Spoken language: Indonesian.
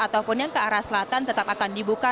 ataupun yang ke arah selatan tetap akan dibuka